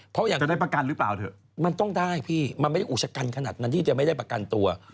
มันถูกได้พี่มันไม่ได้อุชกันขนาดนั้นที่จะไม่ได้ประกันตัว